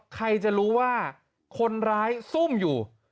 ใครจะรู้ว่าคนร้ายซุ่มอยู่